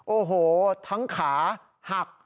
โอ้โหทั้งขาหัก